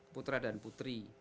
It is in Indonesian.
putra dan putri